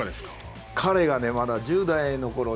彼がまだ１０代のころ